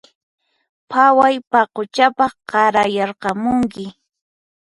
Phaway paquchapaq qarayarqamunki